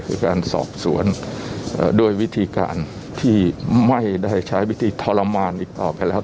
คือการสอบสวนด้วยวิธีการที่ไม่ได้ใช้วิธีทรมานอีกต่อไปแล้ว